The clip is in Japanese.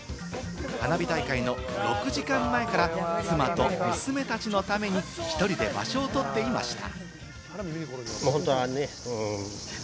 花火大会の６時間前から妻と娘たちのために一人で場所をとっていました。